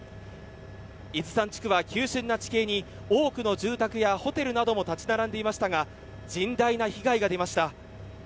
伊豆山地区は急しゅんな地形に多くの住宅やホテルなども立ち並んでいましたが甚大な被害が出ました。